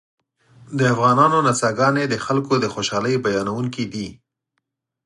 د افغانانو نڅاګانې د خلکو د خوشحالۍ بیانوونکې دي